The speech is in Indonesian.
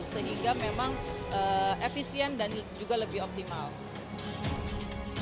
sehingga memang efisien dan juga lebih optimal